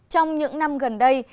trong những năm gần đây